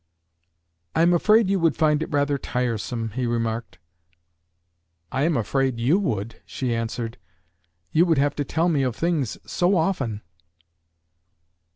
"I am afraid you would find it rather tiresome," he remarked. "I am afraid you would," she answered. "You would have to tell me of things so often."